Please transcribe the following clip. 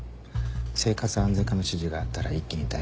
生活安全課の指示があったら一気に逮捕。